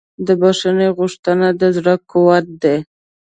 د بښنې غوښتنه د زړه قوت دی.